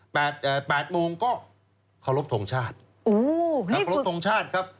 แปดเอ่อแปดโมงก็ขอรบทงชาติอู๋ขอรบทงชาติครับ